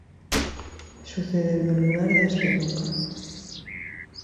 Sucedeu no lugar da Espenuca.